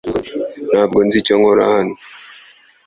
Ntabwo nzi icyo nkora hano .